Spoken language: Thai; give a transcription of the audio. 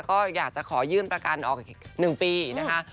ก็อยากจะขอยื่นประกันออกอีก๑ปีนะคะ